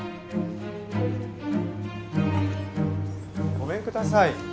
ごめんください。